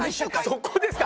そこですか？